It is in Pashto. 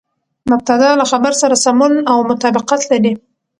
مبتداء له خبر سره سمون او مطابقت لري.